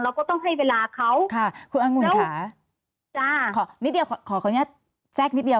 ก็ต้องให้เวลาเขาค่ะคุณอังุ่นค่ะจ้าขอนิดเดียวขอขออนุญาตแทรกนิดเดียว